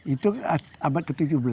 itu abad ke tujuh belas